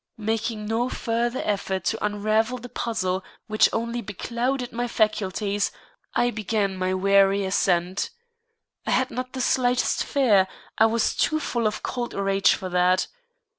Making no further effort to unravel the puzzle which only beclouded my faculties, I began my wary ascent. I had not the slightest fear, I was too full of cold rage for that.